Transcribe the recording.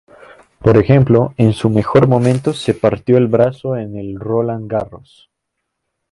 Por ejemplo, en su mejor momento se partió el brazo en el Roland Garros.